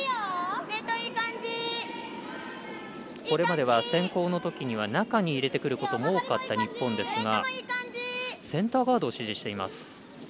これまでは、先攻のときには中に入れてくることも多かった日本ですが、センターガードを指示しています。